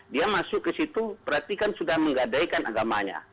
dia masuk ke situ perhatikan sudah menggadaikan agamanya